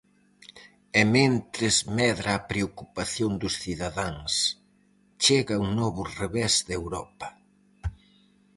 E mentres medra a preocupación dos cidadáns, chega un novo revés de Europa.